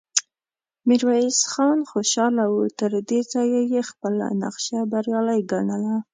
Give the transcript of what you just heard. ميرويس خان خوشاله و، تر دې ځايه يې خپله نخشه بريالی ګڼله،